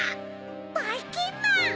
ばいきんまん！